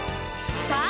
さあ